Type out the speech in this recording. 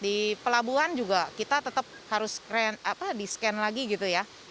di pelabuhan juga kita tetap harus di scan lagi gitu ya